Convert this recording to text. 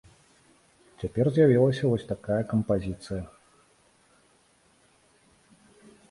Цяпер з'явілася вось такая кампазіцыя.